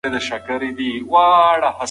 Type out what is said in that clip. فعالیت باید د زړه حرکت چټک کړي.